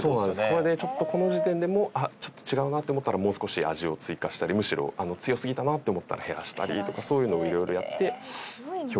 これでちょっとこの時点でもあっちょっと違うなって思ったらもう少し味を追加したりむしろ強すぎたなって思ったら減らしたりとかそういうのを色々やって評価をしてる。